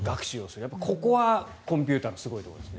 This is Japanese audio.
やっぱりここはコンピューターのすごいところですね。